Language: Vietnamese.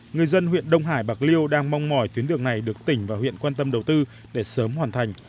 người dân huyện đông hải bạc liêu đang mong mỏi tuyến đường này được tỉnh và huyện quan tâm đầu tư để sớm hoàn thành